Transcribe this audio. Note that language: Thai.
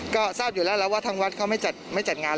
ก็ทราบอยู่แล้วแล้วว่าทางวัดเขาไม่จัดงาน